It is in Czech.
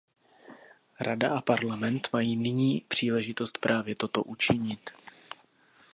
Rada a Parlament mají nyní příležitost právě toto učinit.